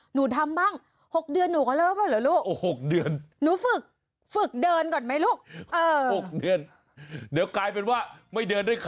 หนูทำบ้าง๖เดือนหนูก็เริ่มแล้วเหรอลูก